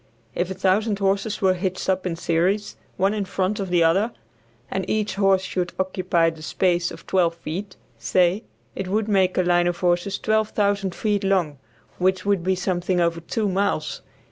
If 1000 horses were hitched up in series, one in front of the other, and each horse should occupy the space of twelve feet, say, it would make a line of horses 12,000 feet long, which would be something over two miles.